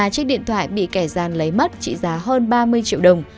ba chiếc điện thoại bị kẻ gian lấy mất trị giá hơn ba mươi triệu đồng